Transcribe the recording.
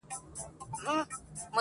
o له خېره دي بېزار يم، شر مه رارسوه٫